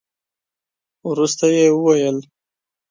وروسته يې وويل.